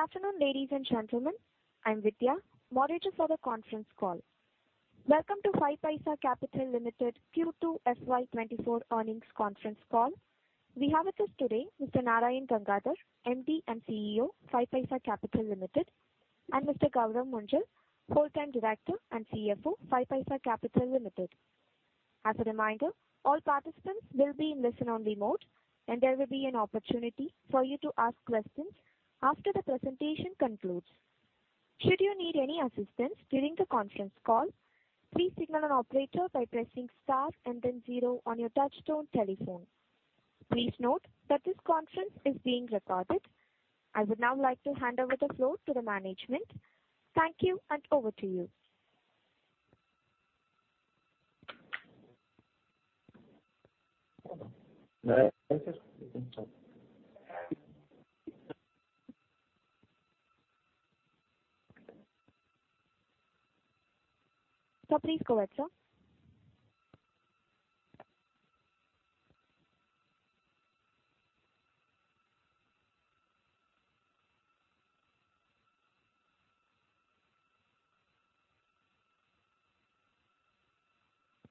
Good afternoon, ladies and gentlemen. I'm Vidya, moderator for the conference call. Welcome to 5paisa Capital Limited Q2 FY24 earnings conference call. We have with us today, Mr. Narayan Gangadhar, MD and CEO, 5paisa Capital Limited, and Mr. Gourav Munjal, full-time Director and CFO, 5paisa Capital Limited. As a reminder, all participants will be in listen-only mode, and there will be an opportunity for you to ask questions after the presentation concludes. Should you need any assistance during the conference call, please signal an operator by pressing star and then zero on your touchtone telephone. Please note that this conference is being recorded. I would now like to hand over the floor to the management. Thank you, and over to you. Thank you. Sir, please go ahead, sir.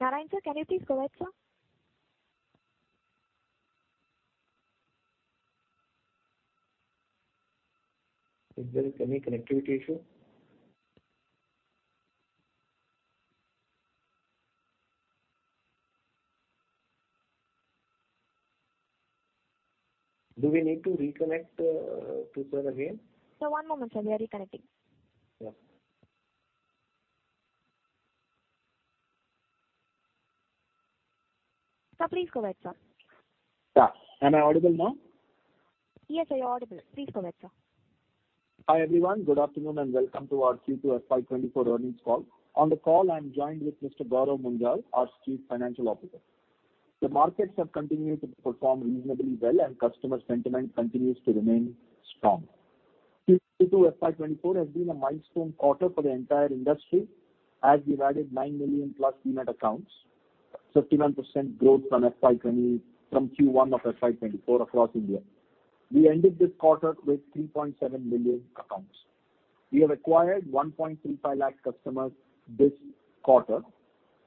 Narayan, sir, can you please go ahead, sir? Is there any connectivity issue? Do we need to reconnect, to sir again? Sir, one moment, sir. We are reconnecting. Yeah. Sir, please go ahead, sir. Yeah. Am I audible now? Yes, you are audible. Please go ahead, sir. Hi, everyone. Good afternoon, and welcome to our Q2 FY 2024 earnings call. On the call, I'm joined with Mr. Gourav Munjal, our Chief Financial Officer. The markets have continued to perform reasonably well, and customer sentiment continues to remain strong. Q2 FY 2024 has been a milestone quarter for the entire industry, as we've added 9 million+ Demat accounts, 51% growth from Q1 of FY 2024 across India. We ended this quarter with 3.7 million accounts. We have acquired 1.35 lakh customers this quarter,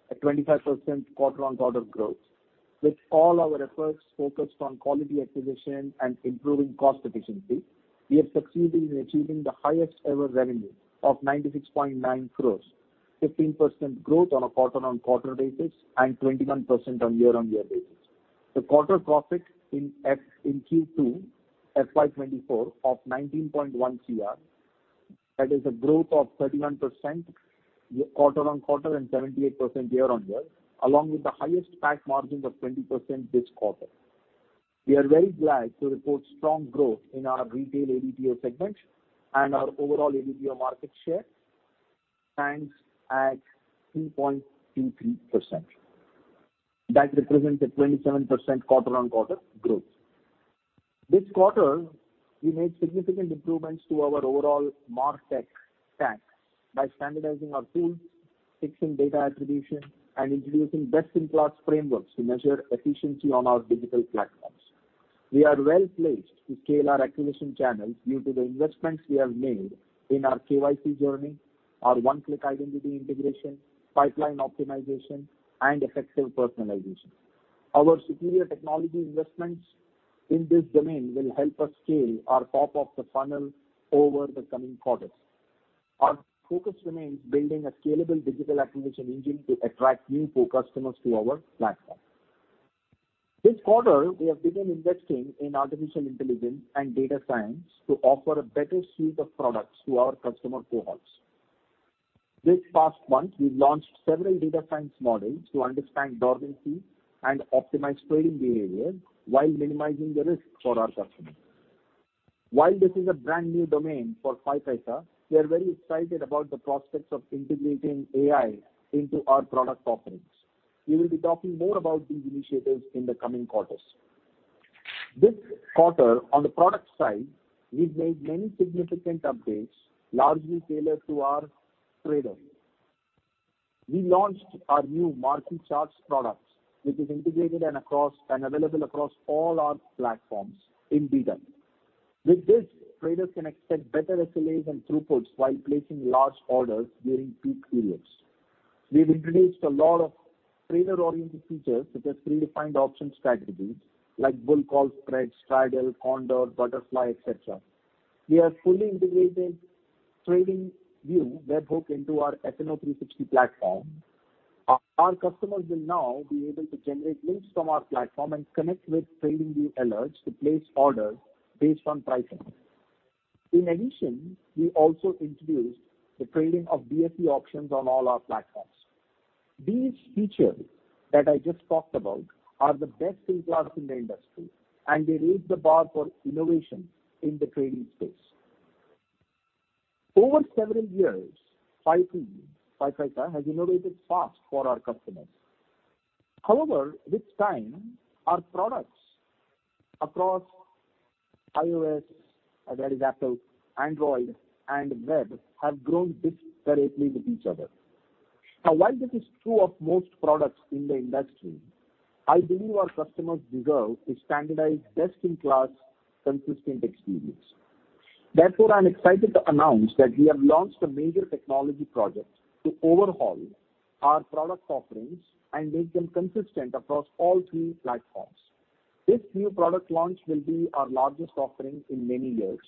a 25% quarter-on-quarter growth. With all our efforts focused on quality acquisition and improving cost efficiency, we have succeeded in achieving the highest ever revenue of 96.9 crores, 15% growth on a quarter-on-quarter basis and 21% on year-on-year basis. The quarter profit in Q2 FY24 of 19.1 crore, that is a growth of 31% quarter-on-quarter, and 78% year-on-year, along with the highest PAT margin of 20% this quarter. We are very glad to report strong growth in our retail ADTO segment and our overall ADTO market share stands at 3.23%. That represents a 27% quarter-on-quarter growth. This quarter, we made significant improvements to our overall MarTech stack by standardizing our tools, fixing data attribution, and introducing best-in-class frameworks to measure efficiency on our digital platforms. We are well-placed to scale our acquisition channels due to the investments we have made in our KYC journey, our one-click identity integration, pipeline optimization, and effective personalization. Our superior technology investments in this domain will help us scale our top of the funnel over the coming quarters. Our focus remains building a scalable digital acquisition engine to attract new core customers to our platform. This quarter, we have begun investing in artificial intelligence and data science to offer a better suite of products to our customer cohorts. This past month, we've launched several data science models to understand normalcy and optimize trading behavior while minimizing the risk for our customers. While this is a brand-new domain for 5paisa, we are very excited about the prospects of integrating AI into our product offerings. We will be talking more about these initiatives in the coming quarters. This quarter, on the product side, we've made many significant updates, largely tailored to our traders. We launched our new market charts products, which is integrated and available across all our platforms in beta. With this, traders can expect better SLAs and throughputs while placing large orders during peak periods. We've introduced a lot of trader-oriented features, such as predefined options strategies, like Bull Call Spread, Straddle, Condor, Butterfly, et cetera. We have fully integrated TradingView webhook into our F&O 360 platform. Our customers will now be able to generate links from our platform and connect with TradingView alerts to place orders based on pricing. In addition, we also introduced the trading of BSE options on all our platforms. These features that I just talked about are the best-in-class in the industry, and they raise the bar for innovation in the trading space. Over several years, 5paisa has innovated fast for our customers. However, with time, our products across iOS, that is Apple, Android, and Web, have grown disparately with each other.... Now, while this is true of most products in the industry, I believe our customers deserve a standardized, best-in-class, consistent experience. Therefore, I'm excited to announce that we have launched a major technology project to overhaul our product offerings and make them consistent across all three platforms. This new product launch will be our largest offering in many years.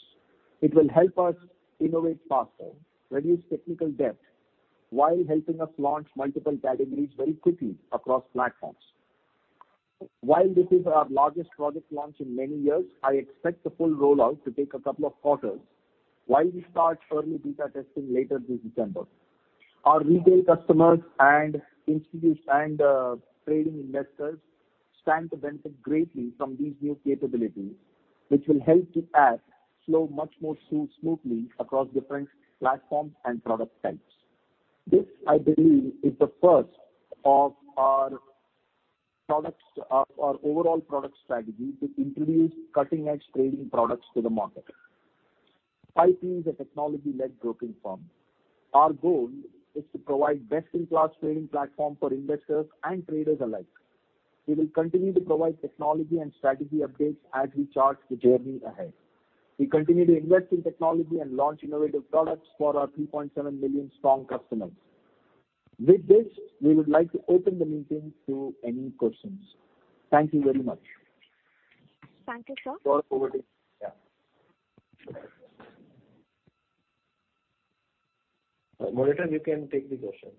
It will help us innovate faster, reduce technical debt, while helping us launch multiple categories very quickly across platforms. While this is our largest product launch in many years, I expect the full rollout to take a couple of quarters while we start early beta testing later this December. Our retail customers and institutes and trading investors stand to benefit greatly from these new capabilities, which will help the app flow much more smoothly across different platforms and product types. This, I believe, is the first of our products, of our overall product strategy to introduce cutting-edge trading products to the market. 5paisa is a technology-led broking firm. Our goal is to provide best-in-class trading platform for investors and traders alike. We will continue to provide technology and strategy updates as we chart the journey ahead. We continue to invest in technology and launch innovative products for our 3.7 million strong customers. With this, we would like to open the meeting to any questions. Thank you very much. Thank you, sir. Yeah. Moderator, you can take the questions.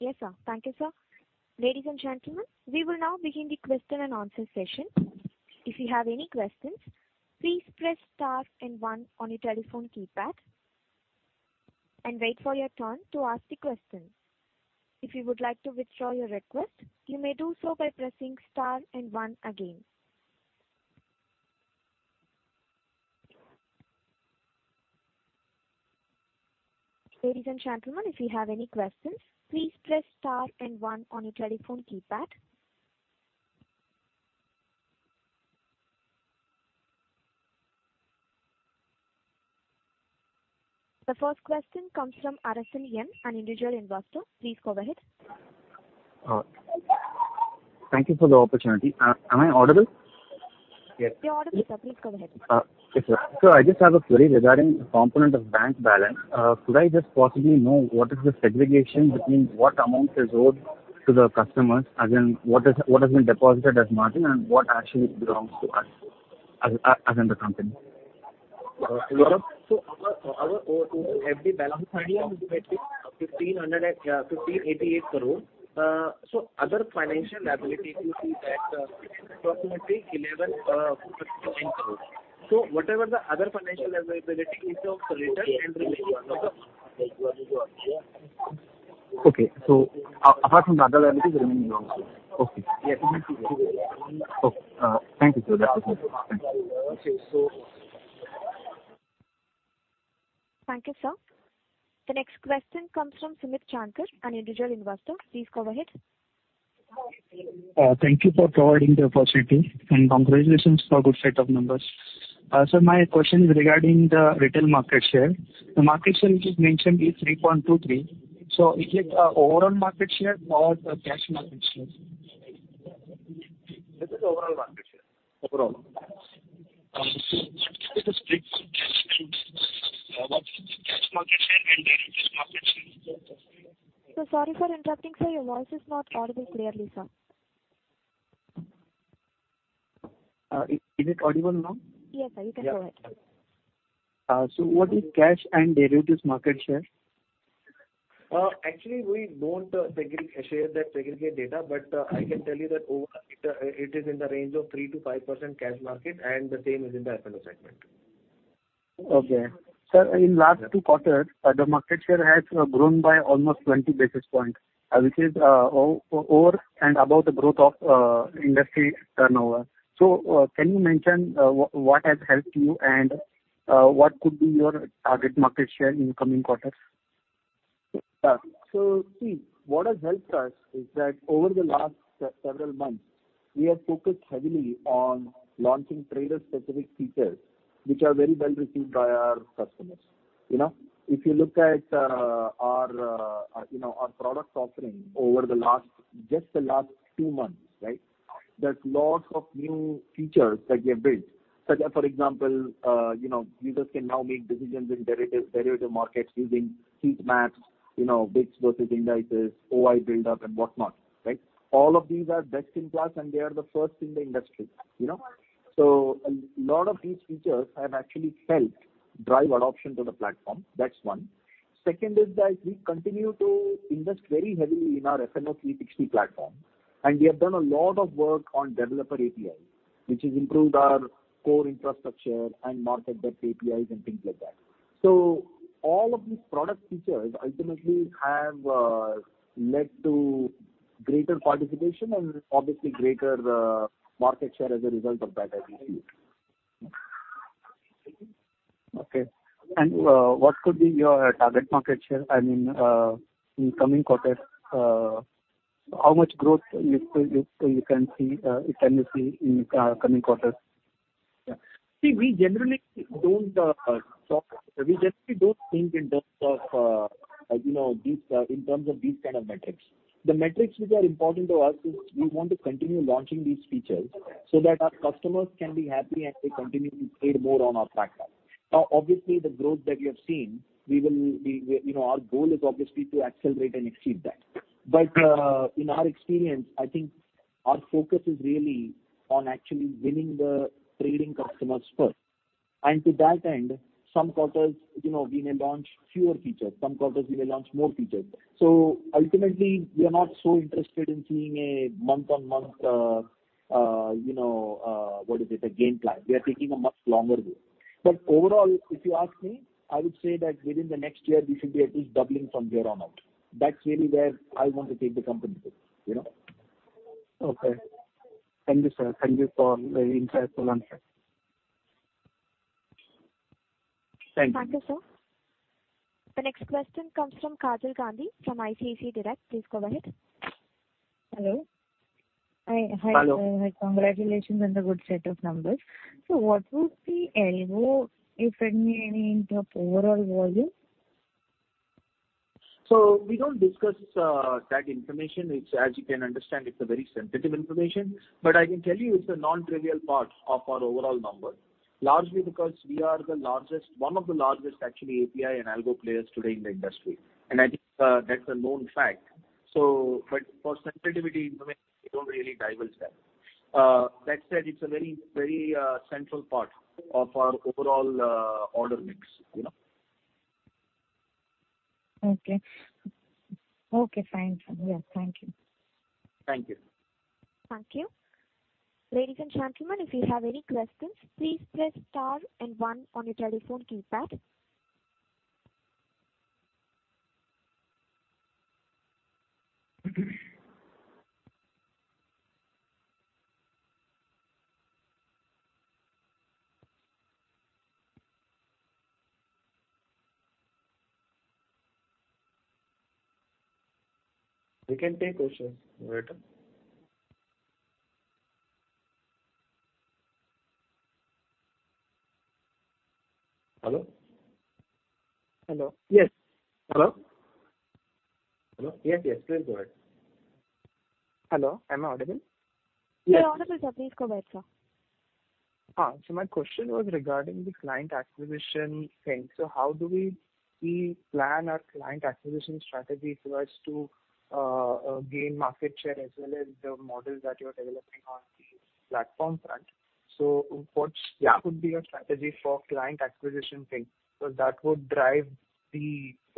Yes, sir. Thank you, sir. Ladies and gentlemen, we will now begin the question-and-answer session. If you have any questions, please press star and one on your telephone keypad and wait for your turn to ask the question. If you would like to withdraw your request, you may do so by pressing star and one again. Ladies and gentlemen, if you have any questions, please press star and one on your telephone keypad. The first question comes from Arsenian, an individual investor. Please go ahead. Thank you for the opportunity. Am I audible? Yes. You're audible, sir. Please go ahead. Yes, sir. So I just have a query regarding the component of bank balance. Could I just possibly know what is the segregation between what amount is owed to the customers, as in what is, what has been deposited as margin and what actually belongs to us, as in the company? So our total FD balance is approximately 1,500 and 1,588 crore. So other financial liability, you see that, approximately 1,159 crore. So whatever the other financial liability is of retail and retail- Okay. So apart from the other liability, the remaining belongs to you? Okay. Yes. Okay. Thank you, sir. That's it. Thank you. Okay, so- Thank you, sir. The next question comes from Sumit Chandkar, an individual investor. Please go ahead. Thank you for providing the opportunity, and congratulations for a good set of numbers. So my question is regarding the retail market share. The market share, which is mentioned, is 3.23. So is it overall market share or the cash market share? This is overall market share. Overall. So, can you just break this between what is the cash market share and derivatives market share? Sorry for interrupting, sir. Your voice is not audible clearly, sir. Is it audible now? Yes, sir. You can go ahead. What is cash and derivatives market share? Actually, we don't share that segregated data, but I can tell you that overall it is in the range of 3%-5% cash market, and the same is in the F&O segment. Okay. Sir, in last 2 quarters, the market share has grown by almost 20 basis points, which is over and above the growth of industry turnover. So, can you mention what has helped you and what could be your target market share in the coming quarters? So, see, what has helped us is that over the last several months, we have focused heavily on launching trader-specific features, which are very well received by our customers. You know, if you look at our product offering over the last, just the last two months, right? There's lots of new features that we have built. Such as, for example, you know, users can now make decisions in derivative markets using heat maps, you know, bids versus indices, OI buildup and whatnot, right? All of these are best in class, and they are the first in the industry, you know. So a lot of these features have actually helped drive adoption to the platform. That's one. Second is that we continue to invest very heavily in our F&O 360 platform, and we have done a lot of work on developer API, which has improved our core infrastructure and market depth APIs and things like that. So all of these product features ultimately have led to greater participation and obviously greater market share as a result of that, I believe. Okay. What could be your target market share? I mean, in coming quarters, how much growth you can see in coming quarters? Yeah. See, we generally don't talk. We generally don't think in terms of, you know, these, in terms of these kind of metrics. The metrics which are important to us is we want to continue launching these features so that our customers can be happy and they continue to trade more on our platform. Now, obviously, the growth that you have seen, we will be, you know, our goal is obviously to accelerate and exceed that. But, in our experience, I think our focus is really on actually winning the trading customers first. And to that end, some quarters, you know, we may launch fewer features, some quarters we may launch more features. So ultimately, we are not so interested in seeing a month-on-month, you know, what is it? A game plan. We are taking a much longer view. Overall, if you ask me, I would say that within the next year, we should be at least doubling from here on out. That's really where I want to take the company, you know? Okay. Thank you, sir. Thank you for the insightful answer. Thank you. Thank you, sir. The next question comes from Kajal Gandhi, from ICICI Direct. Please go ahead. Hello. Hi, hi- Hello. Congratulations on the good set of numbers. What would be Algo, if any, in terms of overall volume? So we don't discuss that information. It's as you can understand, it's very sensitive information. But I can tell you it's a nontrivial part of our overall number. Largely because we are the largest, one of the largest actually, API and Algo players today in the industry. And I think that's a known fact. So but for sensitivity information, we don't really divulge that. That said, it's a very, very central part of our overall order mix, you know? Okay. Okay, fine. Yeah. Thank you. Thank you. Thank you. Ladies and gentlemen, if you have any questions, please press star and one on your telephone keypad. We can take questions, right? Hello? Hello? Yes. Hello. Hello. Yes, yes, please go ahead. Hello, am I audible? You're audible, sir. Please go ahead, sir. So my question was regarding the client acquisition thing. So how do we plan our client acquisition strategy so as to gain market share as well as the models that you're developing on the platform front? So what's- Yeah. Could be your strategy for client acquisition thing? So that would drive the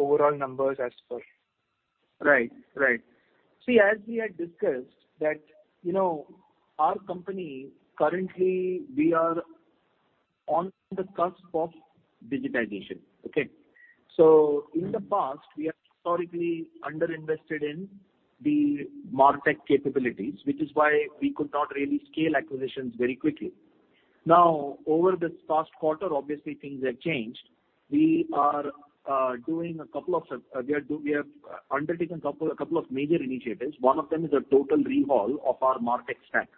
overall numbers as per. Right. Right. See, as we had discussed that, you know, our company, currently we are on the cusp of digitization, okay? So in the past, we have historically underinvested in the MarTech capabilities, which is why we could not really scale acquisitions very quickly. Now, over this past quarter, obviously things have changed. We are doing a couple of, We have undertaken a couple of major initiatives. One of them is a total overhaul of our MarTech stack.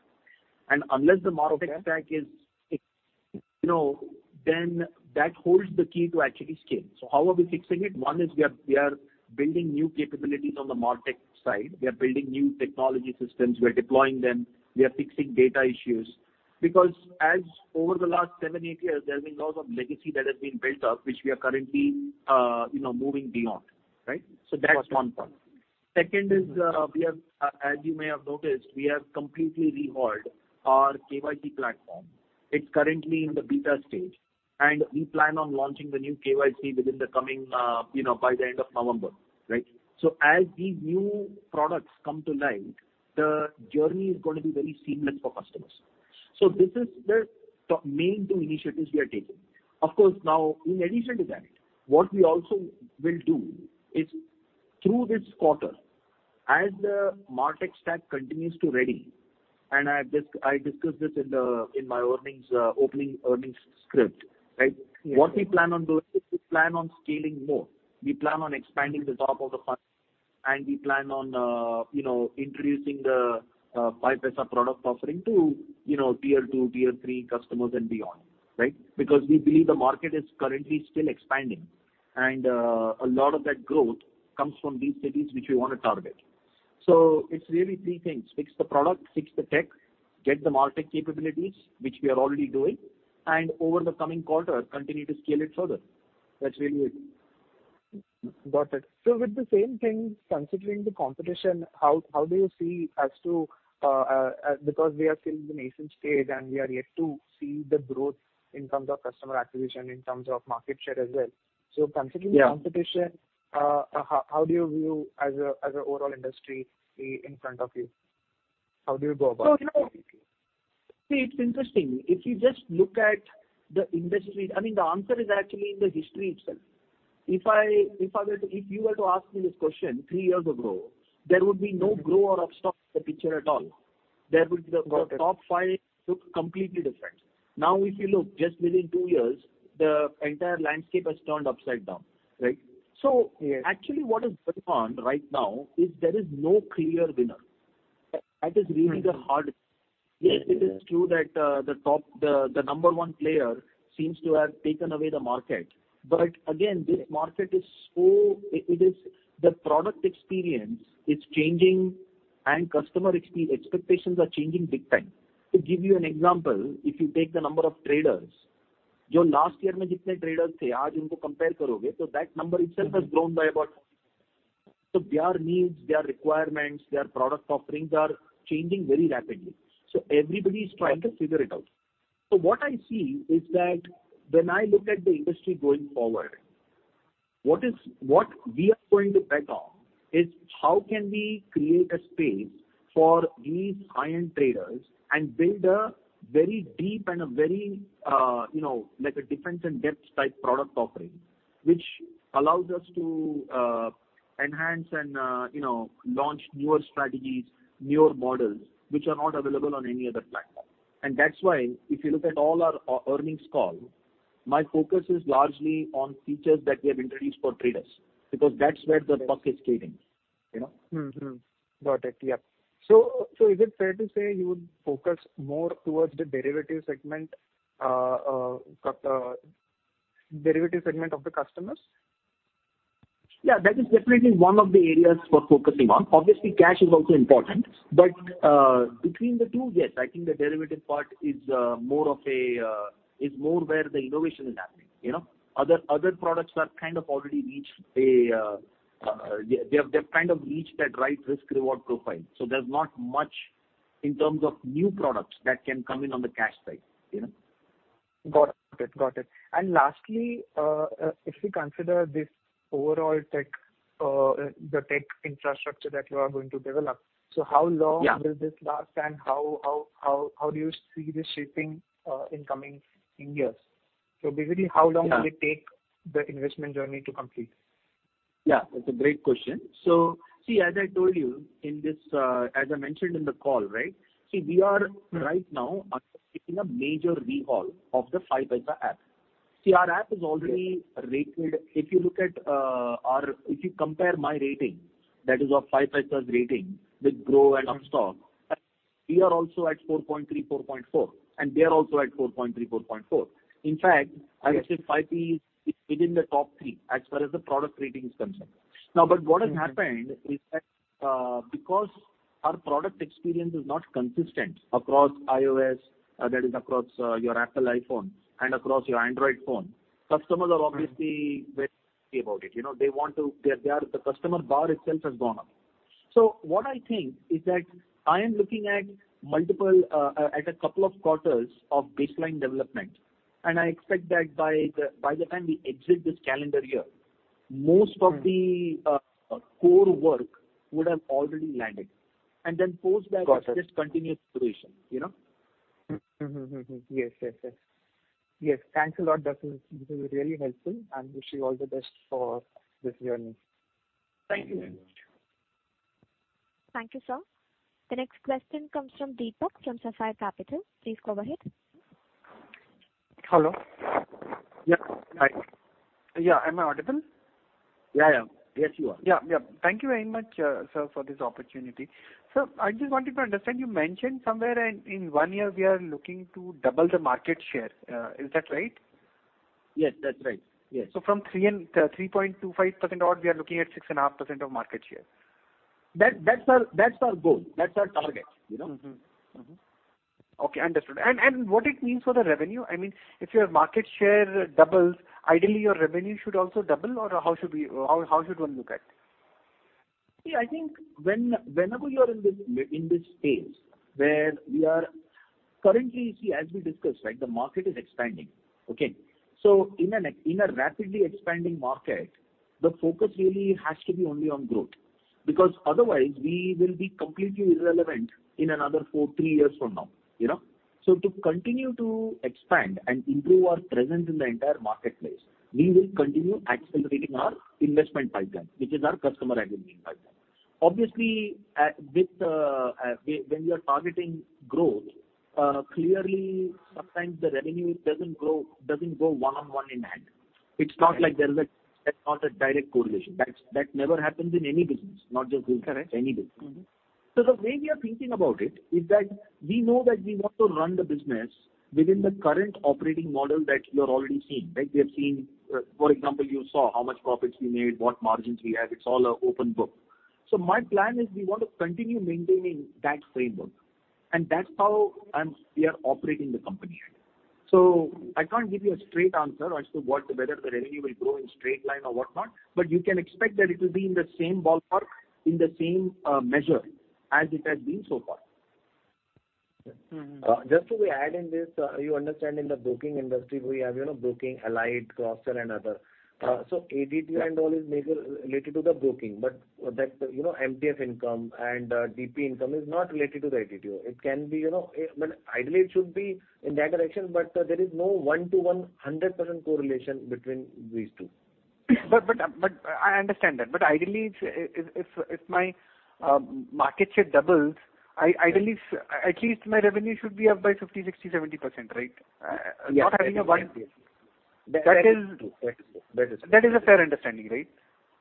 And unless the MarTech stack is, you know, then that holds the key to actually scale. So how are we fixing it? One is we are building new capabilities on the MarTech side. We are building new technology systems. We're deploying them. We are fixing data issues. Because as over the last 7-8 years, there have been lots of legacy that has been built up, which we are currently, you know, moving beyond, right? Got it. So that's one part. Second is, we have, as you may have noticed, we have completely overhauled our KYC platform. It's currently in the beta stage, and we plan on launching the new KYC within the coming, you know, by the end of November, right? So as these new products come to light, the journey is going to be very seamless for customers. So this is the top main two initiatives we are taking. Of course, now, in addition to that, what we also will do is through this quarter, as the MarTech stack continues to ready, and I just, I discussed this in the, in my earnings, opening earnings script, right? Yeah. What we plan on doing is, we plan on scaling more. We plan on expanding the top of the funnel, and we plan on, you know, introducing the pipe as a product offering to, you know, tier two, tier three customers and beyond, right? Because we believe the market is currently still expanding, and a lot of that growth comes from these cities which we want to target. So it's really three things: fix the product, fix the tech, get the MarTech capabilities, which we are already doing, and over the coming quarter, continue to scale it further. That's really it. Got it. So with the same thing, considering the competition, how do you see as to, because we are still in the nascent stage, and we are yet to see the growth in terms of customer acquisition, in terms of market share as well? Yeah. So considering the competition, how do you view as a overall industry in front of you? How do you go about it? So, you know. See, it's interesting. If you just look at the industry, I mean, the answer is actually in the history itself. If I were to, if you were to ask me this question three years ago, there would be no Groww or Upstox in the picture at all. There would be the- Got it. Top five look completely different. Now, if you look just within two years, the entire landscape has turned upside down, right? Yeah. So actually, what is going on right now is there is no clear winner. That is really the hard. Yes, it is true that the top, the number one player seems to have taken away the market. But again, this market is so it is the product experience is changing and customer expectations are changing big time. To give you an example, if you take the number of traders, So their needs, their requirements, their product offerings are changing very rapidly. Everybody is trying to figure it out. What I see is that when I look at the industry going forward, what we are going to bet on is how can we create a space for these high-end traders and build a very deep and a very, you know, like a defense and depth type product offering, which allows us to enhance and, you know, launch newer strategies, newer models, which are not available on any other platform. And that's why if you look at all our earnings call, my focus is largely on features that we have introduced for traders, because that's where the buck is skating, you know? Got it. Yeah. So, is it fair to say you would focus more toward the derivative segment of the customers? Yeah, that is definitely one of the areas we're focusing on. Obviously, cash is also important, but, between the two, yes, I think the derivative part is, more of a, is more where the innovation is happening, you know? Other, other products are kind of already reached a, they have, they've kind of reached that right risk-reward profile. So there's not much in terms of new products that can come in on the cash side, you know? Got it. Got it. And lastly, if we consider this overall tech, the tech infrastructure that you are going to develop, so how long- Yeah. Will this last and how do you see this shaping in coming years? So basically, how long- Yeah Will it take the investment journey to complete? Yeah, that's a great question. So see, as I told you in this, as I mentioned in the call, right? See, we are right now undertaking a major overhaul of the 5paisa app. See, our app is already rated. If you look at our... If you compare my rating, that is our 5paisa's rating with Groww and Upstox, we are also at 4.3, 4.4, and they are also at 4.3, 4.4. In fact, I would say 5p is within the top three as far as the product rating is concerned. Now, but what has happened is that, because our product experience is not consistent across iOS, that is across your Apple iPhone and across your Android phone, customers are obviously very about it. You know, they want to-- they are, they are... The customer bar itself has gone up. So what I think is that I am looking at multiple, at a couple of quarters of baseline development, and I expect that by the time we exit this calendar year, most of the, core work would have already landed. And then post that- Got it. It's just continuous iteration, you know? Yes, yes, yes. Yes. Thanks a lot, Definitely. This is really helpful, and wish you all the best for this journey. Thank you very much. Thank you, sir. The next question comes from Deepak from Sapphire Capital. Please go ahead. Hello. Yeah, hi. Yeah, am I audible? Yeah, yeah. Yes, you are. Yeah, yeah. Thank you very much, sir, for this opportunity. Sir, I just wanted to understand, you mentioned somewhere in one year we are looking to double the market share. Is that right? Yes, that's right. Yes. From 3.25% odd, we are looking at 6.5% of market share. That's our goal. That's our target, you know? Mm-hmm. Mm-hmm. Okay, understood. And what it means for the revenue? I mean, if your market share doubles, ideally your revenue should also double, or how should we, or how should one look at? See, I think when whenever you are in this, in this space, where we are... Currently, see, as we discussed, right, the market is expanding. Okay? So in a rapidly expanding market, the focus really has to be only on growth, because otherwise we will be completely irrelevant in another 4, 3 years from now, you know? So to continue to expand and improve our presence in the entire marketplace, we will continue accelerating our investment pipeline, which is our customer acquisition pipeline. Obviously, at this, when we are targeting growth, clearly, sometimes the revenue doesn't grow, doesn't go one-on-one in hand. It's not like, that's not a direct correlation. That's, that never happens in any business, not just this- Correct. -any business. So the way we are thinking about it is that we know that we want to run the business within the current operating model that you have already seen, right? We have seen, for example, you saw how much profits we made, what margins we have. It's all an open book. So my plan is we want to continue maintaining that framework, and that's how we are operating the company. So I can't give you a straight answer as to what, whether the revenue will grow in straight line or whatnot, but you can expect that it will be in the same ballpark, in the same, measure as it has been so far. Just to add in this, you understand in the broking industry, we have, you know, broking, allied, cross-sell, and other. So ADTO and all is maybe related to the broking, but that, you know, MTF income and, DP income is not related to the ADTO. It can be, you know... But ideally, it should be in that direction, but there is no 1-to-1 100% correlation between these two. But I understand that. But ideally, if my market share doubles, at least my revenue should be up by 50, 60, 70%, right? Yes. Not having a one- That is true. That is true. That is a fair understanding, right?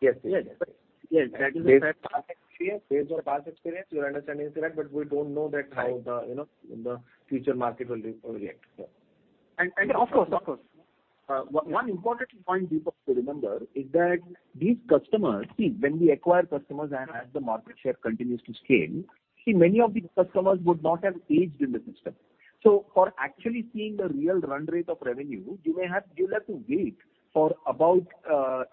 Yes, yes, yes. Yes, that is a past experience. Based on past experience, your understanding is correct, but we don't know that how the, you know, the future market will react. Yeah. Of course. One important point, Deepak, to remember is that these customers—see, when we acquire customers and as the market share continues to scale, see, many of these customers would not have aged in the system. So for actually seeing the real run rate of revenue, you may have—you'll have to wait for about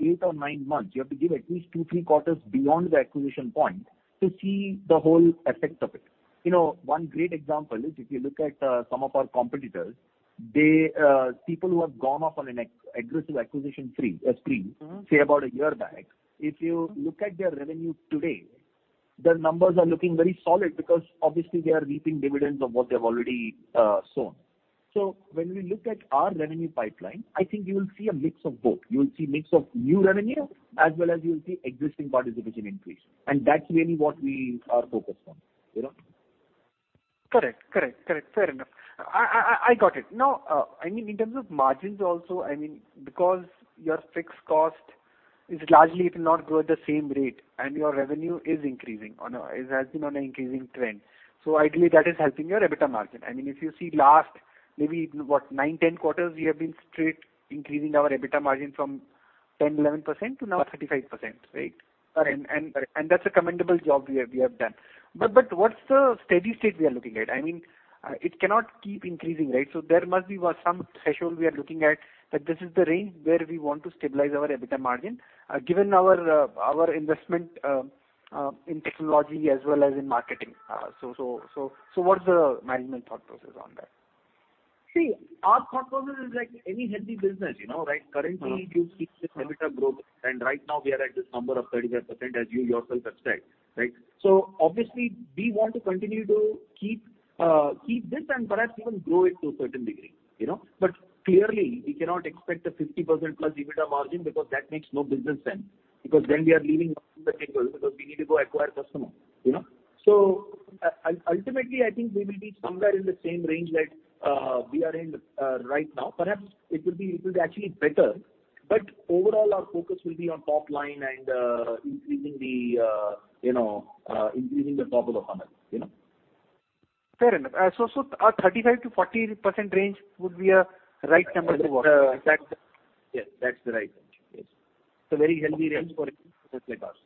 eight or nine months. You have to give at least two, three quarters beyond the acquisition point to see the whole effect of it. You know, one great example is if you look at some of our competitors, they, people who have gone off on an aggressive acquisition spree, say, about a year back, if you look at their revenue today, their numbers are looking very solid, because obviously they are reaping dividends of what they have already sown. When we look at our revenue pipeline, I think you will see a mix of both. You will see mix of new revenue, as well as you will see existing participation increase, and that's really what we are focused on, you know. Correct. Correct, correct. Fair enough. I got it. Now, I mean, in terms of margins also, I mean, because your fixed cost is largely it will not grow at the same rate, and your revenue is increasing on a—it has been on an increasing trend. So ideally, that is helping your EBITDA margin. I mean, if you see last, maybe what, 9, 10 quarters, we have been straight increasing our EBITDA margin from 10, 11% to now 35%, right? Correct. And, and- Correct. And that's a commendable job we have done. But what's the steady state we are looking at? I mean, it cannot keep increasing, right? So there must be some threshold we are looking at, that this is the range where we want to stabilize our EBITDA margin, given our investment in technology as well as in marketing. So what's the management thought process on that? See, our thought process is like any healthy business, you know, right? Currently, you see this EBITDA growth, and right now we are at this number of 35%, as you yourself have said, right? So obviously, we want to continue to keep this and perhaps even grow it to a certain degree, you know. But clearly, we cannot expect a 50%+ EBITDA margin, because that makes no business sense, because then we are leaving money on the table, because we need to go acquire customer, you know? So ultimately, I think we will be somewhere in the same range that we are in right now. Perhaps it will be; it will be actually better, but overall our focus will be on top line and increasing the top of the funnel, you know? Fair enough. So, so a 35%-40% range would be a right number to watch? Yes, that's the right range. Yes. It's a very healthy range for us.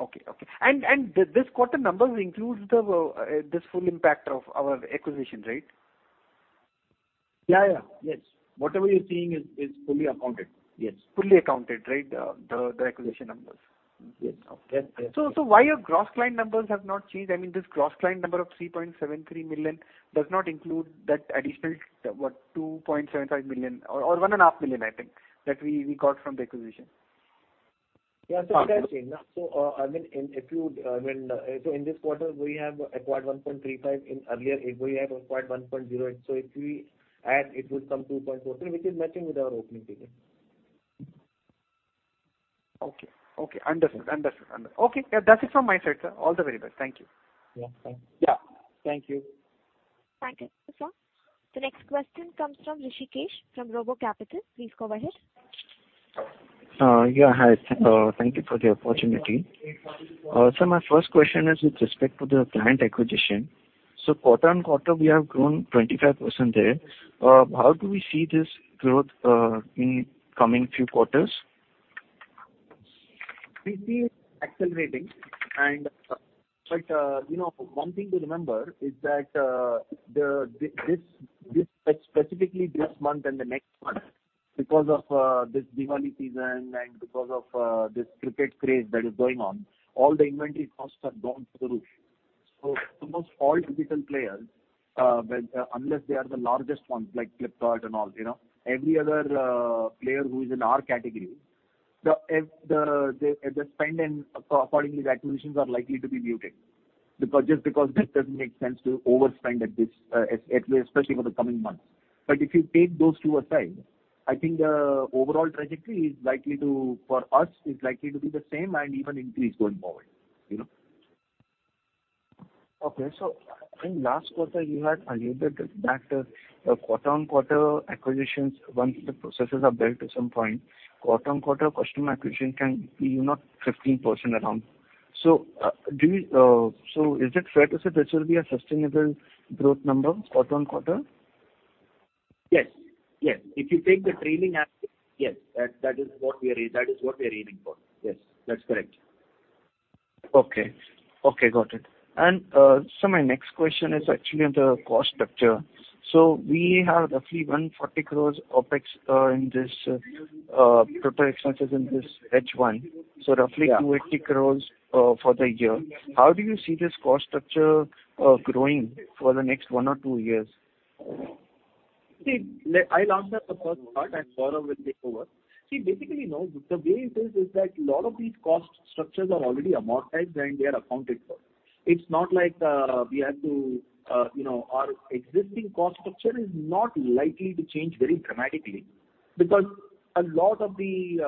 Okay, okay. And this quarter numbers includes the full impact of our acquisition, right? Yeah, yeah. Yes. Whatever you're seeing is fully accounted. Yes. Fully accounted, right? The acquisition numbers. Yes. Okay. So, so why your gross client numbers have not changed? I mean, this gross client number of 3.73 million does not include that additional, what, 2.75 million or, or 1.5 million, I think, that we, we got from the acquisition. Yeah, so that's changed. So, I mean, so in this quarter, we have acquired 1.35. In earlier, we have acquired 1.08. So if we add, it will come 2.43, which is matching with our opening figure. Okay. Okay, understood. Understood. Okay, that's it from my side, sir. All the very best. Thank you. Yeah, thank you. Yeah. Thank you. Thank you, sir. The next question comes from Hrishikesh from Robo Capital. Please go ahead. Yeah, hi. Thank you for the opportunity. So my first question is with respect to the client acquisition. So quarter-on-quarter, we have grown 25% there. How do we see this growth in coming few quarters? We see it accelerating. You know, one thing to remember is that the this, specifically this month and the next month, because of this Diwali season and because of this cricket craze that is going on, all the inventory costs have gone through the roof. So almost all digital players, well, unless they are the largest ones, like Flipkart and all, you know, every other player who is in our category, if they spend accordingly, the acquisitions are likely to be muted. Because just because that doesn't make sense to overspend at this, especially for the coming months. But if you take those two aside, I think the overall trajectory is likely to... For us, is likely to be the same and even increase going forward, you know? Okay. So in last quarter, you had alluded that, the quarter-on-quarter acquisitions, once the processes are built to some point, quarter-on-quarter customer acquisition can be, you know, 15% around. So, do you... So is it fair to say this will be a sustainable growth number, quarter-on-quarter? Yes, yes. If you take the trailing average, yes, that, that is what we are, that is what we are aiming for. Yes, that's correct. Okay. Okay, got it. And, so my next question is actually on the cost structure. So we have roughly 140 crore OpEx in this operating expenses in this H1. Yeah. Roughly 280 crore for the year. How do you see this cost structure growing for the next one or two years? See, I'll answer the first part, and Gourav will take over. See, basically, you know, the way it is, is that a lot of these cost structures are already amortized, and they are accounted for. It's not like, we have to, you know—Our existing cost structure is not likely to change very dramatically, because... A lot of the,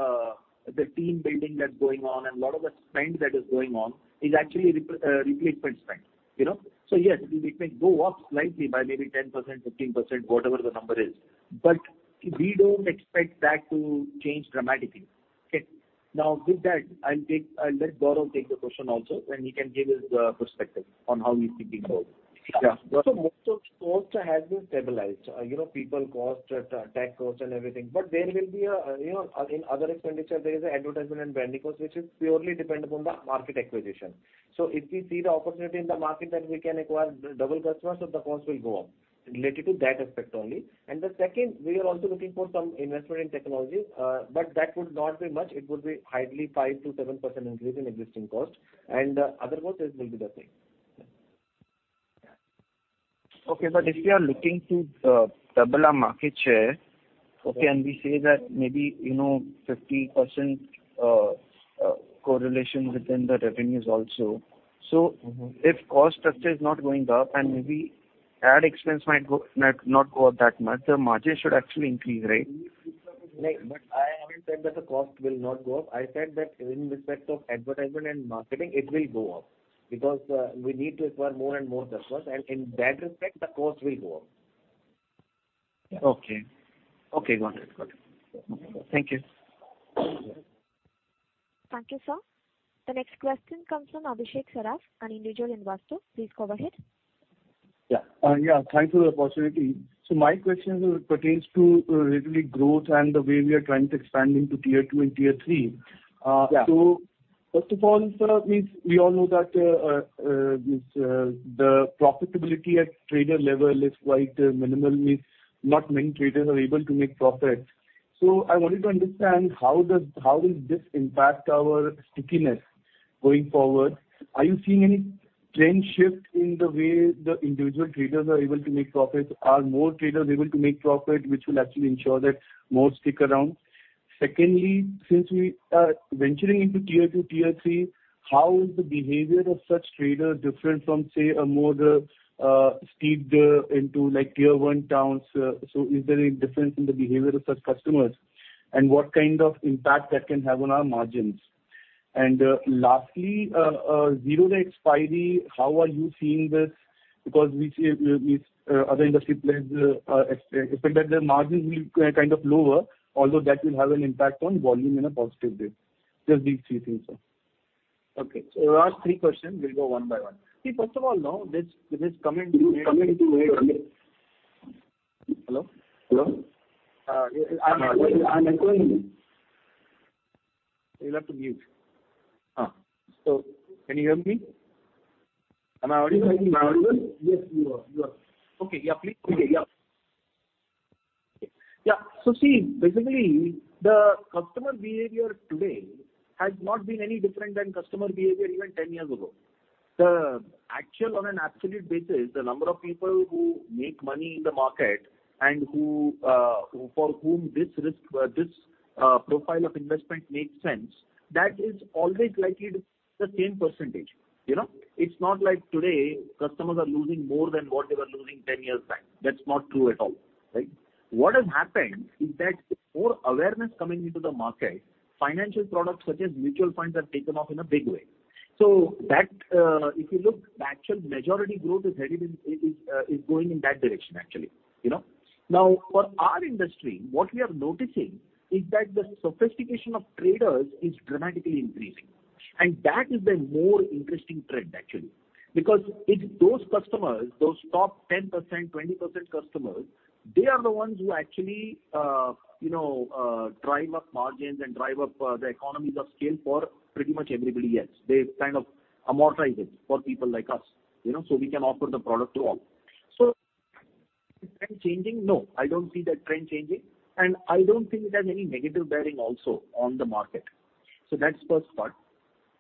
the team building that's going on and a lot of the spend that is going on is actually replacement spend, you know? So yes, it may go up slightly by maybe 10%, 15%, whatever the number is, but we don't expect that to change dramatically. Okay. Now, with that, I'll let Gourav take the question also, and he can give his, perspective on how we see things go. Yeah, Gourav? So most of cost has been stabilized. You know, people cost, tech cost and everything, but there will be a, you know, in other expenditures, there is an advertisement and branding cost, which is purely dependent on the market acquisition. So if we see the opportunity in the market that we can acquire double customers, so the cost will go up, related to that aspect only. And the second, we are also looking for some investment in technology, but that would not be much. It would be highly 5%-7% increase in existing cost, and other costs will be the same. Yeah. Okay, but if we are looking to double our market share, okay, and we say that maybe, you know, 50% correlation within the revenues also. So if cost structure is not going up, and maybe ad expense might not go up that much, the margins should actually increase, right? Like, but I haven't said that the cost will not go up. I said that in respect of advertisement and marketing, it will go up, because we need to acquire more and more customers, and in that respect, the cost will go up. Okay. Okay, got it. Got it. Thank you. Thank you, sir. The next question comes from Abhishek Saraf, an individual investor. Please go ahead. Yeah, thanks for the opportunity. So my question pertains to lately, growth and the way we are trying to expand into Tier 2 and Tier 3. Yeah. So first of all, sir, we all know that the profitability at trader level is quite minimal, means not many traders are able to make profit. So I wanted to understand how will this impact our stickiness going forward? Are you seeing any trend shift in the way the individual traders are able to make profit? Are more traders able to make profit, which will actually ensure that more stick around? Secondly, since we are venturing into Tier 2, Tier 3, how is the behavior of such traders different from, say, a more steeped into, like, Tier 1 towns? So is there any difference in the behavior of such customers, and what kind of impact that can have on our margins? And lastly, zero day expiry, how are you seeing this? Because we see with other industry players expect that their margins will kind of lower, although that will have an impact on volume in a positive way. Just these three things, sir. Okay, so you asked three questions. We'll go one by one. See, first of all, no, this coming- Hello? Hello? I'm echoing. You'll have to mute. Can you hear me? Am I audible, am I audible? Yes, you are. You are. Okay, yeah, please. Okay, yeah. Yeah, so see, basically, the customer behavior today has not been any different than customer behavior even 10 years ago. The actual, on an absolute basis, the number of people who make money in the market and who, for whom this risk, this profile of investment makes sense, that is always likely the same percentage. You know, it's not like today, customers are losing more than what they were losing 10 years back. That's not true at all, right? What has happened is that with more awareness coming into the market, financial products such as mutual funds have taken off in a big way. So that, if you look, the actual majority growth is going in that direction, actually, you know. Now, for our industry, what we are noticing is that the sophistication of traders is dramatically increasing, and that is the more interesting trend, actually. Because it's those customers, those top 10%, 20% customers, they are the ones who actually, you know, drive up margins and drive up, the economies of scale for pretty much everybody else. They kind of amortize it for people like us, you know, so we can offer the product to all. So is the trend changing? No, I don't see that trend changing, and I don't think it has any negative bearing also on the market. So that's first part,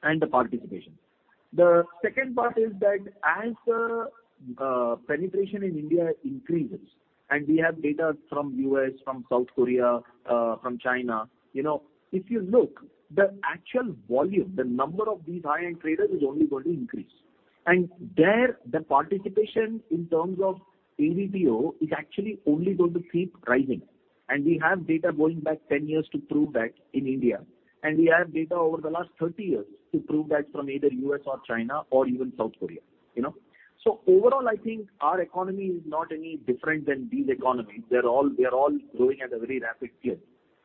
and the participation. The second part is that as the penetration in India increases, and we have data from U.S., from South Korea, from China, you know, if you look, the actual volume, the number of these high-end traders, is only going to increase. And there, the participation in terms of ADTO, is actually only going to keep rising. And we have data going back 10 years to prove that in India, and we have data over the last 30 years to prove that from either U.S. or China or even South Korea, you know? So overall, I think our economy is not any different than these economies. They are all growing at a very rapid pace.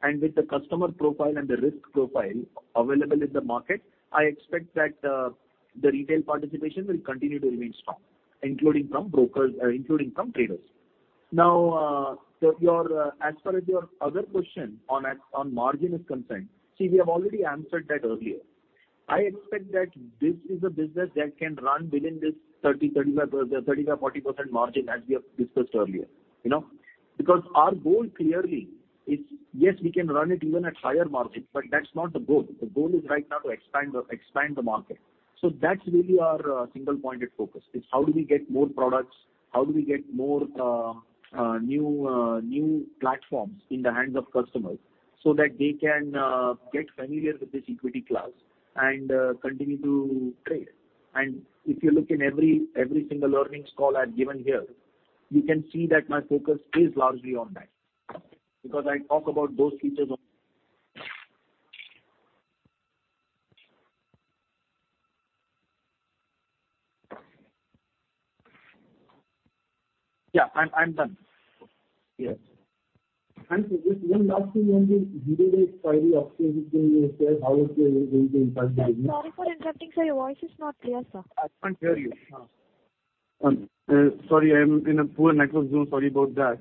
And with the customer profile and the risk profile available in the market, I expect that the retail participation will continue to remain strong, including from brokers, including from traders. Now, your other question on margin is concerned, see, we have already answered that earlier. I expect that this is a business that can run within this 30-35, 35-40% margin, as we have discussed earlier, you know? Because our goal clearly is, yes, we can run it even at higher margins, but that's not the goal. The goal is right now to expand the market. So that's really our single-pointed focus, is how do we get more products, how do we get more new platforms in the hands of customers, so that they can get familiar with this equity class and continue to trade. And if you look in every single earnings call I've given here. You can see that my focus is largely on that, because I talk about those features on. Yeah, I'm, I'm done. Yes. Just one last thing, when we did a query, obviously, how is it going to impact the business? Sorry for interrupting, sir. Your voice is not clear, sir. I can't hear you. Sorry, I am in a poor network zone. Sorry about that.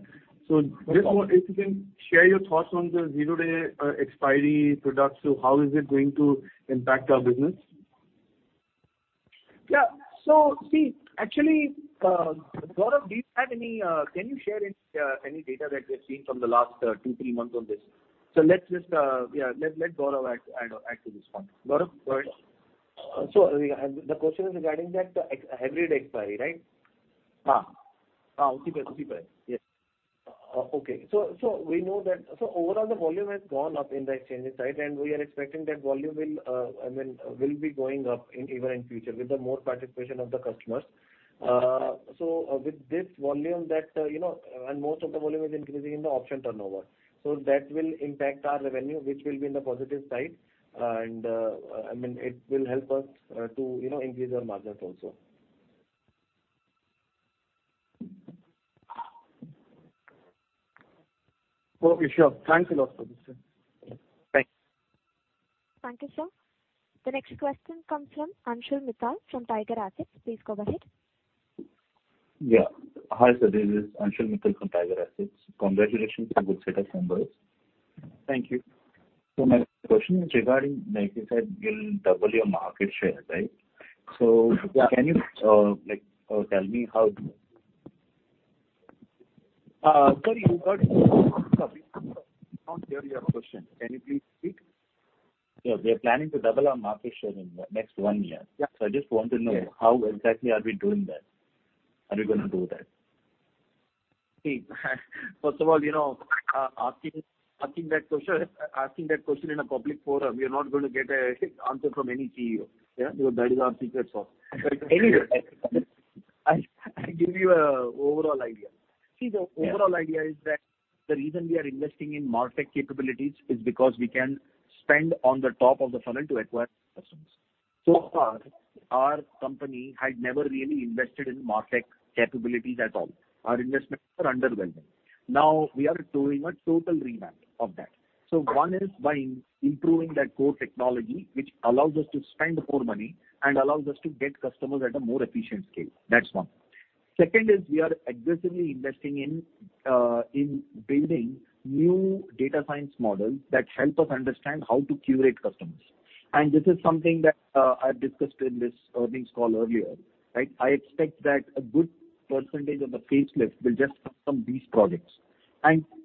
Just want—if you can share your thoughts on the zero-day expiry products. So how is it going to impact our business? Yeah. So see, actually, Gourav, do you have any—can you share any data that we've seen from the last 2-3 months on this? So let's just, yeah, let Gourav add to this one. Gourav, go ahead. So the question is regarding that ex-hybrid expiry, right? Yes. Okay. So we know that... So overall, the volume has gone up in the exchanges, right? And we are expecting that volume will, I mean, be going up even in future with the more participation of the customers. So with this volume that, you know, and most of the volume is increasing in the option turnover. So that will impact our revenue, which will be in the positive side. And, I mean, it will help us to, you know, increase our market also. Okay, sure. Thanks a lot for this, sir. Thank you. Thank you, sir. The next question comes from Anshul Mittal from Tiger Assets. Please go ahead. Yeah. Hi, sir, this is Anshul Mittal from Tiger Assets. Congratulations on good set of numbers. Thank you. My question is regarding, like you said, you'll double your market share, right? Yeah. Can you, like, tell me how? Sir, you got we can't hear your question. Can you please speak? Yeah. We are planning to double our market share in the next one year. Yeah. I just want to know- Yeah How exactly are we doing that? How are you going to do that? See, first of all, you know, asking that question in a public forum, you're not going to get an answer from any CEO. Yeah, because that is our secret sauce. Anyway, I give you an overall idea. See, the, Yeah Overall idea is that the reason we are investing in MarTech capabilities is because we can spend on the top of the funnel to acquire customers. So far, our company had never really invested in MarTech capabilities at all. Our investments are underwhelming. Now, we are doing a total revamp of that. So one is by improving that core technology, which allows us to spend more money and allows us to get customers at a more efficient scale. That's one. Second is we are aggressively investing in building new data science models that help us understand how to curate customers. And this is something that I've discussed in this earnings call earlier, right? I expect that a good percentage of the page list will just come from these products.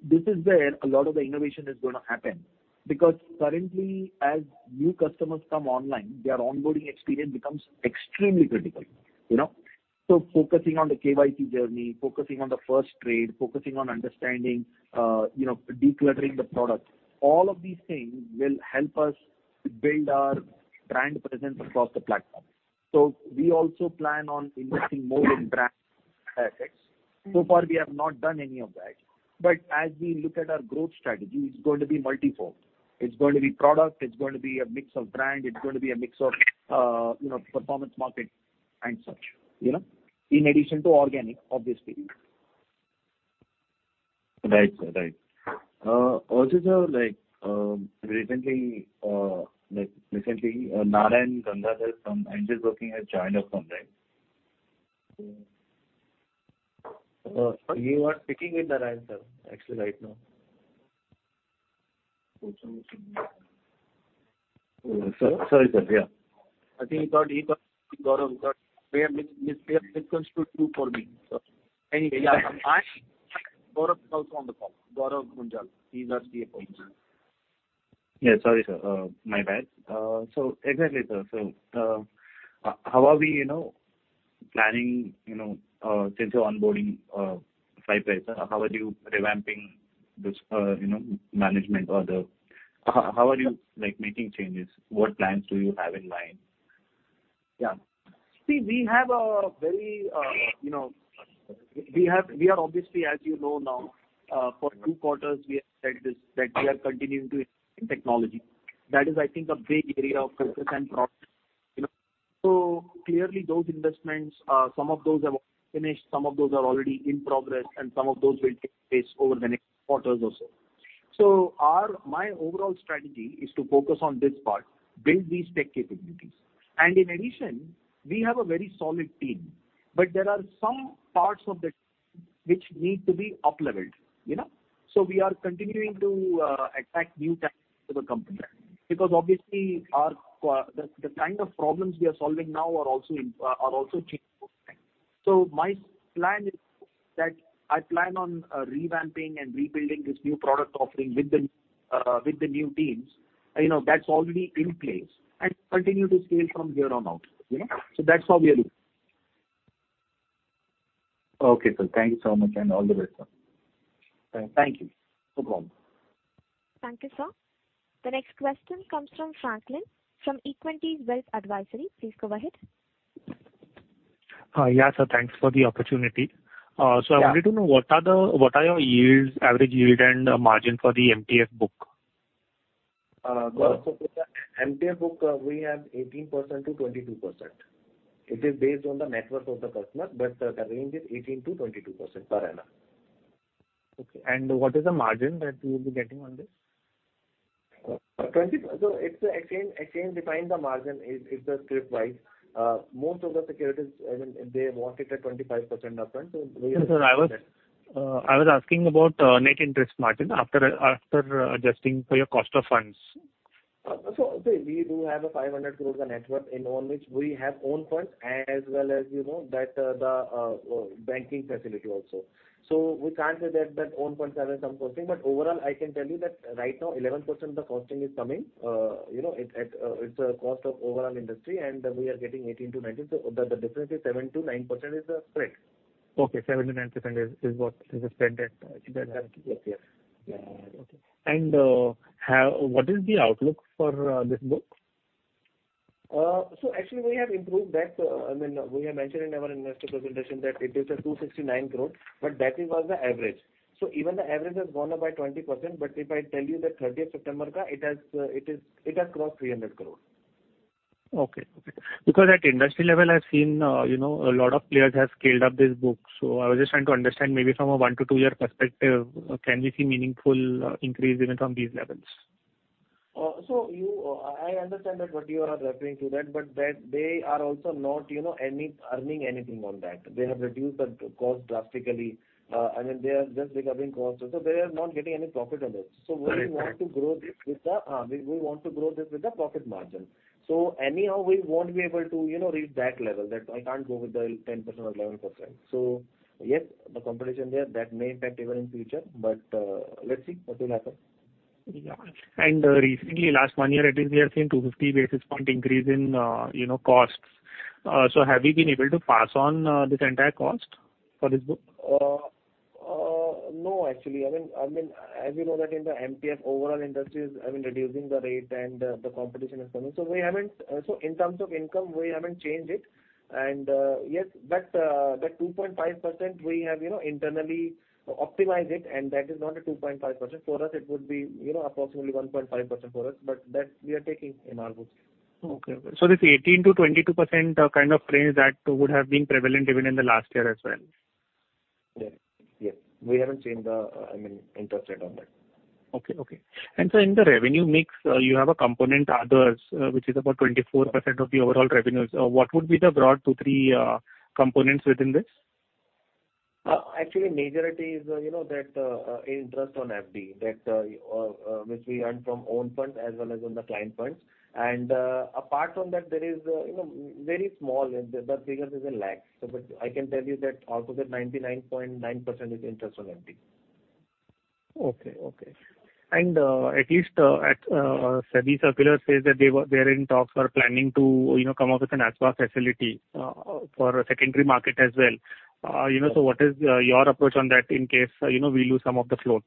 This is where a lot of the innovation is gonna happen, because currently, as new customers come online, their onboarding experience becomes extremely critical, you know? Focusing on the KYC journey, focusing on the first trade, focusing on understanding, you know, decluttering the product, all of these things will help us build our brand presence across the platform. We also plan on investing more in brand adtech. So far, we have not done any of that. But as we look at our growth strategy, it's going to be multiform. It's going to be product, it's going to be a mix of brand, it's going to be a mix of, you know, performance market and such, you know, in addition to organic, obviously. Right, sir. Right. Also, sir, like recently, Narayan Gangadhar from Angel One has joined us sometime. You are speaking with Narayan, sir, actually, right now. Sorry, sir. Yeah. I think he thought he got... he has misconstrued you for me, sir. Anyway, yeah, Gourav is also on the call. Gourav Munjal, he is our CFO. Yeah, sorry, sir. My bad. So exactly, sir. So, how are we, you know, planning, you know, since you're onboarding Flipkart, how are you revamping this, you know, management or how are you, like, making changes? What plans do you have in mind? Yeah. See, we have a very, you know, we are obviously, as you know now, for two quarters, we have said this, that we are continuing to invest in technology. That is, I think, a big area of focus and progress, you know. So clearly, those investments, some of those have finished, some of those are already in progress, and some of those will take place over the next quarters or so. So my overall strategy is to focus on this part, build these tech capabilities. And in addition, we have a very solid team, but there are some parts of the team which need to be upleveled, you know? So we are continuing to attract new talent to the company. Because obviously, the, the kind of problems we are solving now are also, are also changing over time. So my plan is that I plan on revamping and rebuilding this new product offering with the new teams. You know, that's already in place, and continue to scale from here on out, you know? So that's how we are doing. Okay, sir. Thank you so much, and all the best, sir. Thank you. No problem. Thank you, sir. The next question comes from Franklin, from Equirus Wealth Advisory. Please go ahead. Yeah, sir. Thanks for the opportunity. So I wanted to know, what are your yields, average yield and margin for the MTF book? So, for the MTF book, we have 18%-22%. It is based on the net worth of the customer, but the range is 18%-22% per annum. Okay. What is the margin that you will be getting on this? 25. So it's again defined, the margin is scrip wise. Most of the securities, I mean, they want it at 25% upfront, so we- Sir, I was asking about net interest margin after adjusting for your cost of funds. So we do have a 500 crores of net worth on which we have own funds, as well as, you know, that, the banking facility also. So we can't say that, that own funds have some costing, but overall I can tell you that right now, 11% the costing is coming. You know, it, at, it's a cost of overall industry, and we are getting 18-19. So the, the difference is 7%-9% is the spread. Okay, 7%-9% is what? Is the spread that, Yes, yes. Yeah. Okay. And, what is the outlook for this book? So actually, we have improved that. I mean, we have mentioned in our investor presentation that it is 269 crore, but that is was the average. So even the average has gone up by 20%, but if I tell you that 30th September, it has, it is, it has crossed 300 crore. Okay. Because at industry level, I've seen, you know, a lot of players have scaled up this book. So I was just trying to understand, maybe from a 1-2 year perspective, can we see meaningful increase even from these levels? So, I understand what you are referring to, but they are also not, you know, earning anything on that. They have reduced the cost drastically. I mean, they are just recovering costs, so they are not getting any profit on it. Correct. So we want to grow this with the profit margin. So anyhow, we won't be able to, you know, reach that level, that I can't go with the 10% or 11%. So yes, the competition there, that may impact even in future, but, let's see what will happen. Yeah. And recently, last one year at least, we have seen 250 basis point increase in, you know, costs. So have you been able to pass on this entire cost for this book? No, actually. I mean, I mean, as you know that in the MTF, overall industry is, I mean, reducing the rate and the competition is coming. So we haven't... So in terms of income, we haven't changed it. And yes, that 2.5%, we have, you know, internally optimized it, and that is not a 2.5%. For us, it would be, you know, approximately 1.5% for us, but that we are taking in our books. Okay. So this 18%-22% kind of range, that would have been prevalent even in the last year as well? Yes, yes. We haven't changed the, I mean, interest rate on that. Okay, okay. And so in the revenue mix, you have a component, others, which is about 24% of the overall revenues. What would be the broad two, three components within this? Actually, majority is, you know, that interest on FD that which we earn from own funds as well as on the client funds. Apart from that, there is, you know, very small, the figures is INR 1 lakh. So but I can tell you that out of the 99.9% is interest on FD. Okay, okay. And, at least, at SEBI circular says that they are in talks or planning to, you know, come up with an ASBA facility for a secondary market as well. You know, so what is your approach on that in case, you know, we lose some of the float?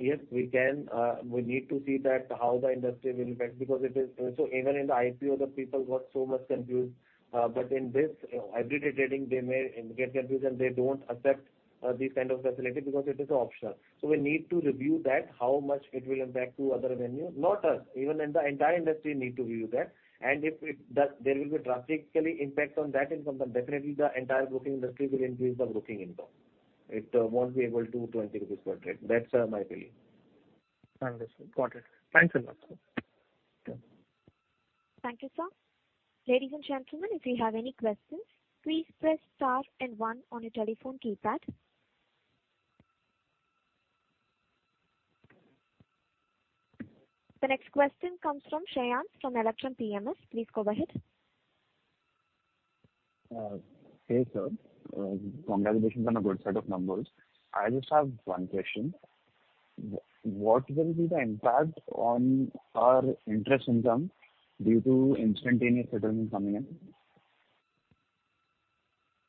Yes, we can. We need to see that how the industry will impact, because it is... So even in the IPO, the people got so much confused, but in this, you know, hybrid trading, they may get confused, and they don't accept this kind of facility because it is optional. So we need to review that, how much it will impact to other revenue. Not us, even in the entire industry need to review that. And if there will be drastic impact on that income, then definitely the entire broking industry will increase the broking income. It won't be able to 20 rupees per trade. That's my belief. Understood. Got it. Thanks a lot, sir. Okay. Thank you, sir. Ladies and gentlemen, if you have any questions, please press star and one on your telephone keypad. The next question comes from Shayan, from Electrum PMS. Please go ahead. Hey, sir. Congratulations on a good set of numbers. I just have one question: what will be the impact on our interest income due to instantaneous settlement coming in?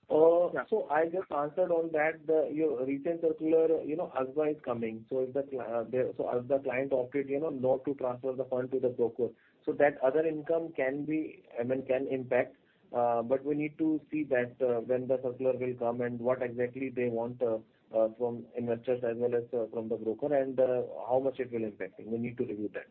So I just answered on that. Your recent circular, you know, ASBA is coming. So if the client opted, you know, not to transfer the fund to the broker, so that other income can be, I mean, can impact, but we need to see that, when the circular will come and what exactly they want, from investors as well as, from the broker and, how much it will impact. We need to review that.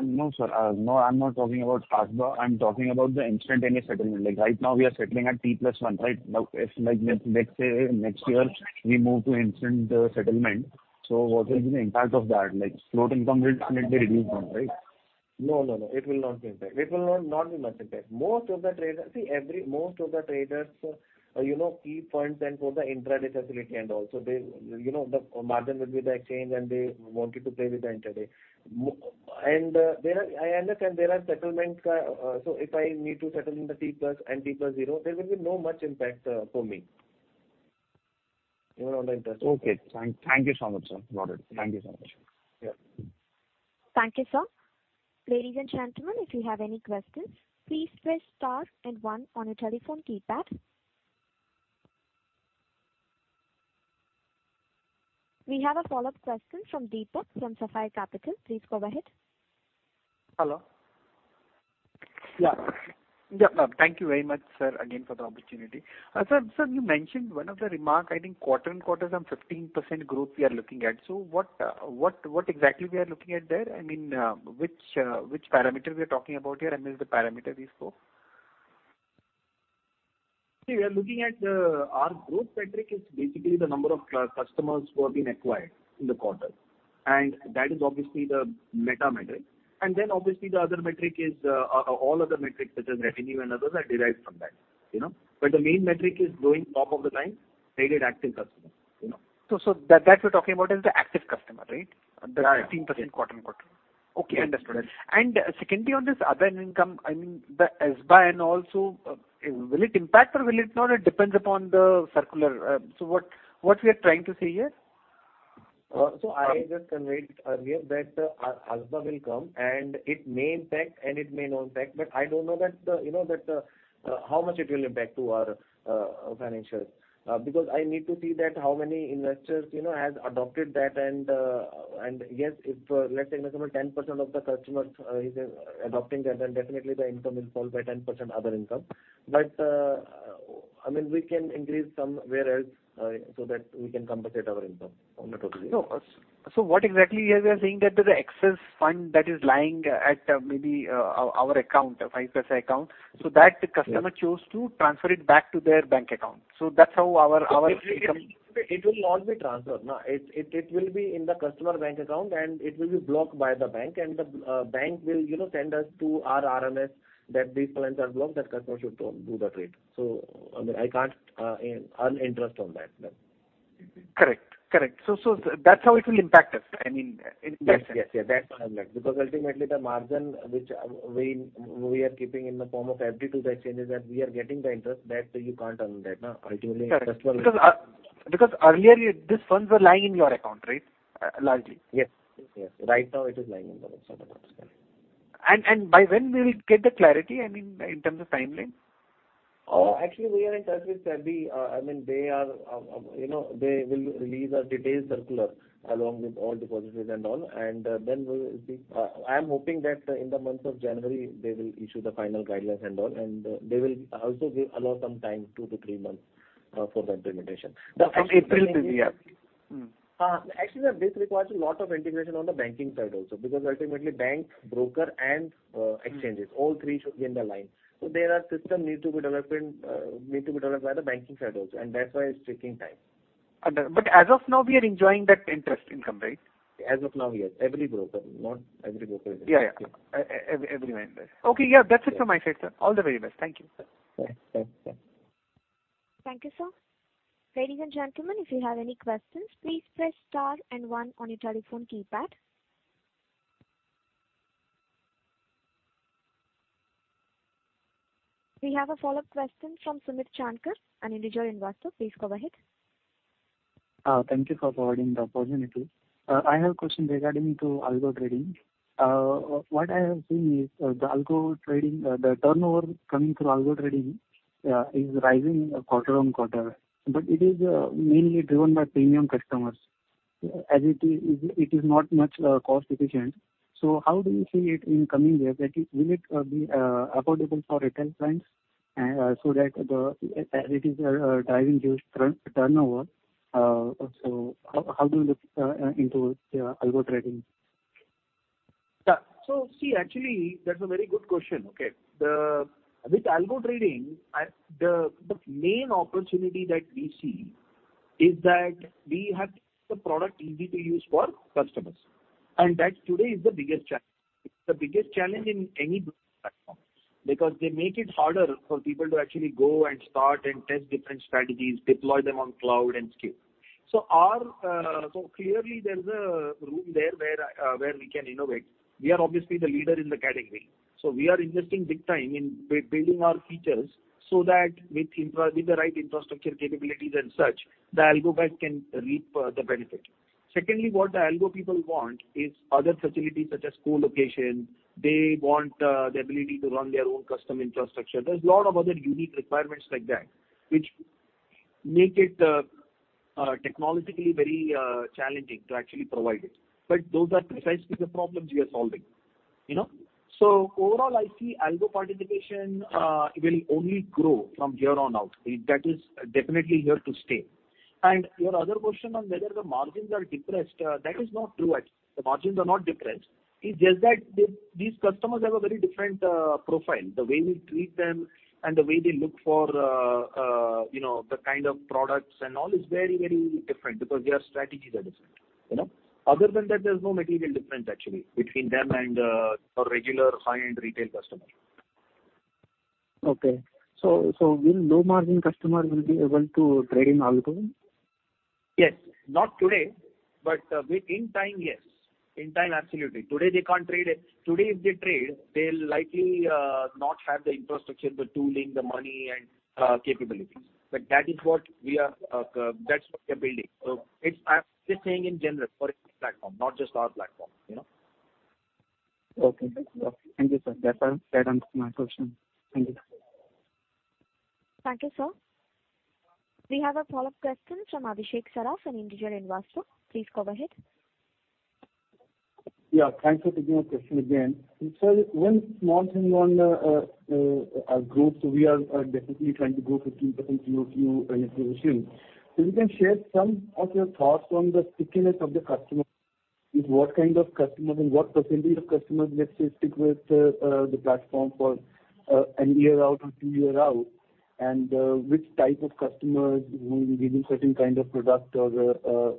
No, sir. No, I'm not talking about ASBA. I'm talking about the instantaneous settlement. Like, right now, we are settling at T plus one, right? Now, if, like, let's say next year, we move to instant settlement, so what will be the impact of that? Like, float income will definitely reduce down, right? No, no, no, it will not impact. It will not be much impact. Most of the traders... See, every, most of the traders, you know, keep funds and for the intraday facility and all. So they, you know, the margin will be the exchange, and they wanted to play with the intraday. And, I understand there are settlement, so if I need to settle in the T plus and T plus zero, there will be no much impact, for me, even on the interest. Okay. Thank you so much, sir. Got it. Thank you so much. Yeah. Thank you, sir. Ladies and gentlemen, if you have any questions, please press star and one on your telephone keypad. We have a follow-up question from Deepak from Sapphire Capital. Please go ahead. Hello? Yeah. Yeah, thank you very much, sir, again, for the opportunity. Sir, you mentioned one of the remark, I think quarter-on-quarter some 15% growth we are looking at. So what exactly we are looking at there? I mean, which parameter we are talking about here, and is the parameter these four? See, we are looking at our growth metric is basically the number of customers who have been acquired in the quarter, and that is obviously the meta metric. And then obviously the other metric is all other metrics, such as revenue and others, are derived from that, you know? But the main metric is growing top of the line, created active customers, you know. So that you're talking about is the active customer, right? Right. The 15% quarter-on-quarter. Okay, understood. Correct. Secondly, on this other income, I mean, the ASBA and also, will it impact or will it not? It depends upon the circular. So what we are trying to say here? So I just conveyed earlier that, our ASBA will come, and it may impact, and it may not impact, but I don't know that, you know, that, how much it will impact to our, financials. Because I need to see that how many investors, you know, has adopted that, and, and yes, if, let's say about 10% of the customers, is adopting that, then definitely the income will fall by 10% other income. But, I mean, we can increase somewhere else, so that we can compensate our income, not totally. So, what exactly here we are saying that the excess fund that is lying at, maybe, our account, 5paisa account, so that- Yes. the customer choose to transfer it back to their bank account. So that's how our income- It will not be transferred, no. It will be in the customer bank account, and it will be blocked by the bank, and the bank will, you know, send us to our RMS, that these funds are blocked, that customer should don't do the trade. So, I mean, I can't earn interest on that then. Correct. So, that's how it will impact us, I mean, in that sense. Yes, yes, yes. That's what I meant. Because ultimately the margin which we are keeping in the form of every two exchanges that we are getting the interest, that you can't earn that, ultimately. Correct. Because earlier these funds were lying in your account, right? Largely. Yes. Yes. Right now it is lying in the register. And by when we will get the clarity, I mean, in terms of timeline? Actually, we are in touch with SEBI. I mean, they are, you know, they will release a detailed circular along with all depositors and all, and then we'll be... I am hoping that in the month of January, they will issue the final guidelines and all, and they will also give, allow some time, 2-3 months, for the implementation. From April to, yeah. Mm. Actually, this requires a lot of integration on the banking side also, because ultimately bank, broker and exchanges, all three should be in the line. So their system need to be developed, need to be developed by the banking side also, and that's why it's taking time. But as of now, we are enjoying that interest income, right? As of now, yes. Every broker, not every broker. Yeah, yeah. Everyone, yes. Okay, yeah, that's it from my side, sir. All the very best. Thank you. Thanks. Thanks. Thank you, sir. Ladies and gentlemen, if you have any questions, please press star and one on your telephone keypad. We have a follow-up question from Sumit Chandkar, Anand Rathil investor. Please go ahead. Thank you for providing the opportunity. I have a question regarding to Algo Trading. What I have seen is, the Algo Trading, the turnover coming through Algo Trading, is rising quarter-on-quarter, but it is, mainly driven by premium customers. As it is, it is not much, cost efficient. So how do you see it in coming years, that is, will it, be, affordable for retail clients, and, so that the, as it is, driving your turn, turnover? So how, how do you look, into, Algo Trading? Yeah. So see, actually, that's a very good question. Okay. With algo trading, the main opportunity that we see is that we have the product easy to use for customers, and that today is the biggest challenge. It's the biggest challenge in any platform, because they make it harder for people to actually go and start and test different strategies, deploy them on cloud and scale. So, so clearly there's a room there where we can innovate. We are obviously the leader in the category. So we are investing big time in building our features so that with the right infrastructure capabilities and such, the algo guys can reap the benefit. Secondly, what the algo people want is other facilities such as co-location. They want the ability to run their own custom infrastructure. There's a lot of other unique requirements like that, which make it technologically very challenging to actually provide it. But those are precisely the problems we are solving, you know? So overall, I see algo participation will only grow from here on out. That is definitely here to stay. And your other question on whether the margins are depressed, that is not true actually. The margins are not depressed. It's just that these, these customers have a very different profile. The way we treat them and the way they look for, you know, the kind of products and all, is very, very different because their strategies are different, you know? Other than that, there's no material difference actually between them and our regular high-end retail customer. Okay. So, so will low-margin customers will be able to trade in algo? Yes. Not today, but within time, yes. In time, absolutely. Today, they can't trade. Today, if they trade, they'll likely not have the infrastructure, the tooling, the money and capabilities. But that is what we are, that's what we are building. So it's- I'm just saying in general, for platform, not just our platform, you know? Okay, thank you, sir. That's all, that answers my question. Thank you. Thank you, sir. We have a follow-up question from Abhishek Saraf and Individual Investor. Please go ahead. Yeah, thanks for taking my question again. So when small and non, groups, we are definitely trying to go for 2% QoQ and evolution. So you can share some of your thoughts on the stickiness of the customer, is what kind of customers and what percentage of customers, let's say, stick with the, the platform for, a year out or 2 year out, and, which type of customers will be giving certain kind of product or,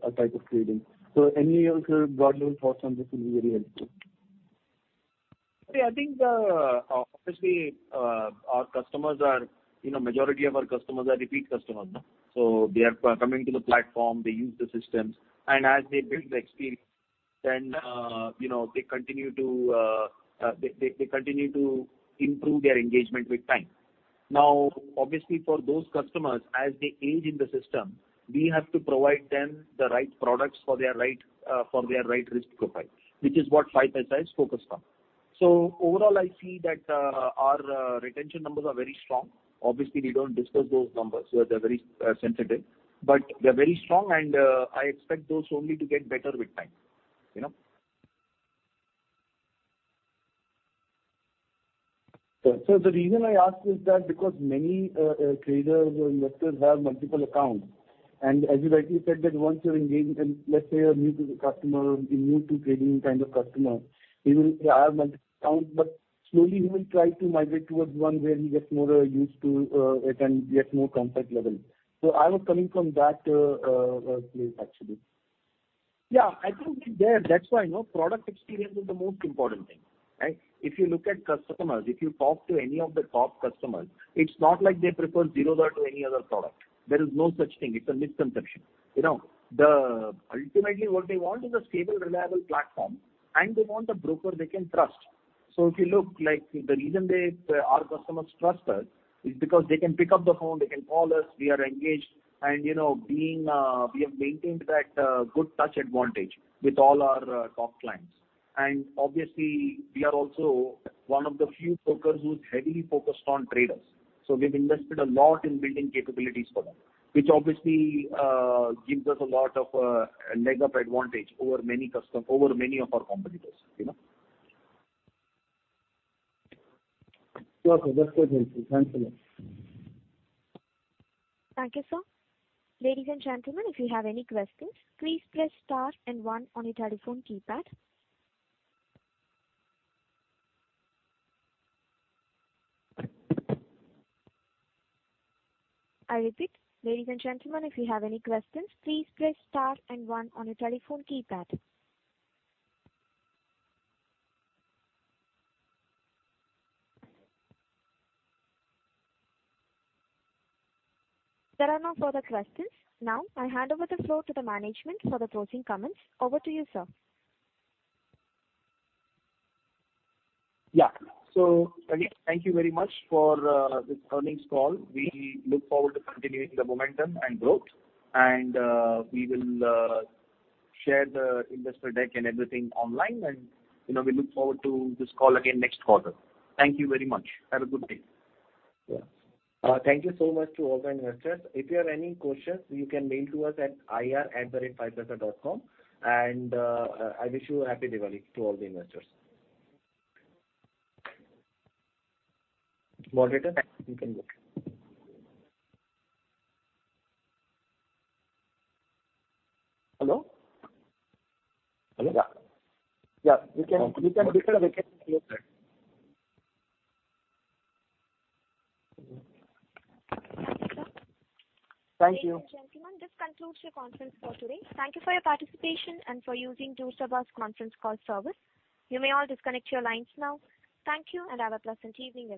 a type of trading. So any of your broad level thoughts on this will be very helpful. I think, obviously, our customers are, you know, majority of our customers are repeat customers, so they are coming to the platform, they use the systems, and as they build the experience, then, you know, they continue to, they continue to improve their engagement with time. Now, obviously, for those customers, as they age in the system, we have to provide them the right products for their right, for their right risk profile, which is what 5paisa is focused on. So overall, I see that, our retention numbers are very strong. Obviously, we don't discuss those numbers, so they're very sensitive, but they're very strong, and I expect those only to get better with time, you know? So, the reason I ask is that because many traders or investors have multiple accounts, and as you rightly said, that once you're engaged and let's say you're new to the customer, new to trading kind of customer, he will have multiple accounts, but slowly he will try to migrate towards one where he gets more used to, it and gets more comfort level. So I was coming from that place, actually. Yeah, I think there, that's why, you know, product experience is the most important thing, right? If you look at customers, if you talk to any of the top customers, it's not like they prefer Zerodha to any other product. There is no such thing. It's a misconception. You know, ultimately, what they want is a stable, reliable platform, and they want a broker they can trust. So if you look, like, the reason they, our customers trust us is because they can pick up the phone, they can call us, we are engaged, and, you know, we have maintained that good touch advantage with all our top clients. And obviously, we are also one of the few brokers who's heavily focused on traders. We've invested a lot in building capabilities for them, which obviously gives us a lot of leg up advantage over many of our competitors, you know? Okay, that's good. Thank you. Thank you, sir. Ladies and gentlemen, if you have any questions, please press star and one on your telephone keypad. I repeat, ladies and gentlemen, if you have any questions, please press star and one on your telephone keypad. There are no further questions. Now, I hand over the floor to the management for the closing comments. Over to you, sir. Yeah. So again, thank you very much for this earnings call. We look forward to continuing the momentum and growth, and we will share the investor deck and everything online. You know, we look forward to this call again next quarter. Thank you very much. Have a good day. Yeah. Thank you so much to all our investors. If you have any questions, you can mail to us at ir@5paisa.com, and I wish you a happy Diwali to all the investors. Moderator, thank you. You can go. Hello? Hello. Yeah. Yeah, you can, you can... Thank you, sir. Thank you. Ladies and gentlemen, this concludes your conference for today. Thank you for your participation and for using DoSubscribe's conference call service. You may all disconnect your lines now. Thank you, and have a pleasant evening.